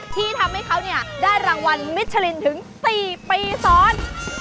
ที่ทำให้เขาได้รางวัลมิชลินถึง๔ปีซ้อน